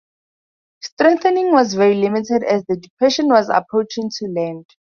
Strengthening was very limited as the depression was approaching to land.